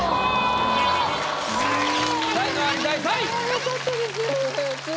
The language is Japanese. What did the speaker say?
よかったです。